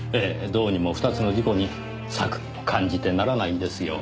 どうにも２つの事故に作為を感じてならないんですよ。